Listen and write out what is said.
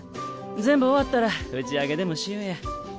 全部終わったら打ち上げでもしようや。